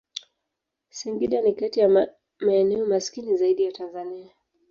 Singida ni kati ya maeneo maskini zaidi ya Tanzania.